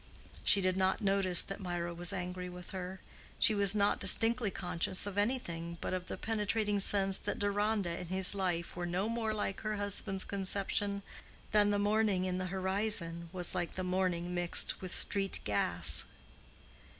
She did not notice that Mirah was angry with her; she was not distinctly conscious of anything but of the penetrating sense that Deronda and his life were no more like her husband's conception than the morning in the horizon was like the morning mixed with street gas.